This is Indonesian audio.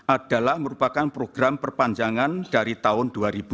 adalah merupakan program perpanjangan dari tahun dua ribu dua puluh